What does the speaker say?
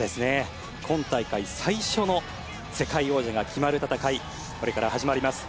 今大会最初の世界王者が決まる戦い、これから始まります